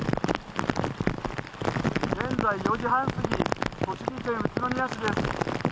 現在４時半過ぎ、栃木県宇都宮市です。